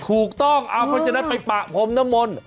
ถูกต้องเอาเพราะฉะนั้นไปปะพรมน้ำมนต์